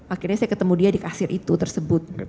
akhirnya saya ketemu dia di kasir itu tersebut